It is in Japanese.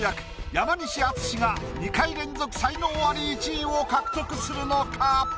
山西惇が２回連続才能アリ１位を獲得するのか？